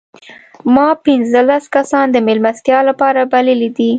ما پنځلس کسان د مېلمستیا لپاره بللي دي.